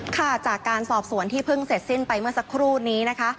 ค่ะจากการสอบสวนที่เพิ่งเสร็จสิ้นไปเมื่อสักครู่นี้นะคะ